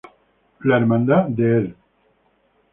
La Hermandad de El...